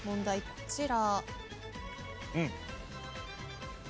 こちら。